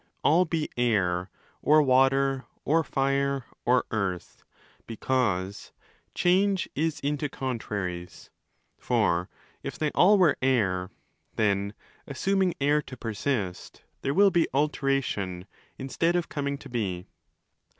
all be Air or Water or Fire or Earth—because ' Change is into contraries'.' For if they all were Air, then (assuming Air to persist) there will be 'alteration' instead of coming to be.